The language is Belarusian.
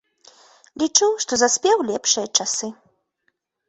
Лічу, што заспеў лепшыя часы.